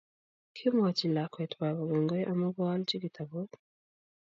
Kimwochi lakwet baba kongoi amu koalji kitabut